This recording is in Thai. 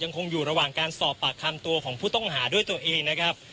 คงอยู่ระหว่างการสอบปากคำตัวของผู้ต้องหาด้วยตัวเองนะครับ